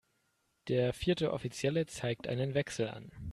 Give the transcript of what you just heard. Der vierte Offizielle zeigt einen Wechsel an.